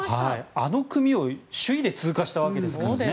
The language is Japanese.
あの組を首位で通過したわけですからね。